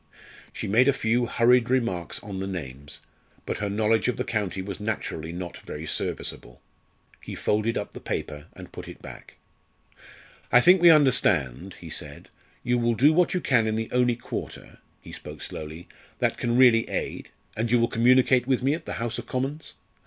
She made a few hurried remarks on the names, but her knowledge of the county was naturally not very serviceable. He folded up the paper and put it back. "I think we understand," he said. "You will do what you can in the only quarter" he spoke slowly "that can really aid, and you will communicate with me at the House of Commons?